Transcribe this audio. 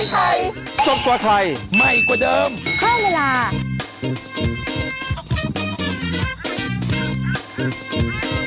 โปรดติดตามตอนต่อไป